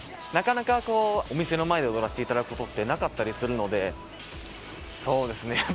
なかなかこうお店の前で踊らせていただくことってなかったりするのでそうですね。